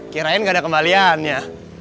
kirain gak ada kembalian ya